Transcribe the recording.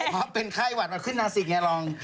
เพราะเป็นไข้หวัดเราขึ้นนาสิกไงลอง